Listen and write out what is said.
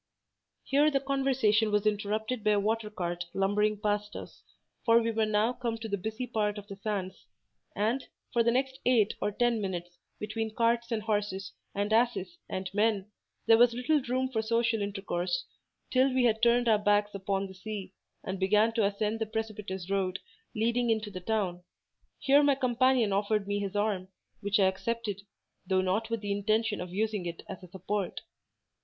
Here the conversation was interrupted by a water cart lumbering past us, for we were now come to the busy part of the sands; and, for the next eight or ten minutes, between carts and horses, and asses, and men, there was little room for social intercourse, till we had turned our backs upon the sea, and begun to ascend the precipitous road leading into the town. Here my companion offered me his arm, which I accepted, though not with the intention of using it as a support.